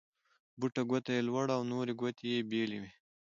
بټه ګوته يي لوړه او نورې ګوتې يې بېلې وې.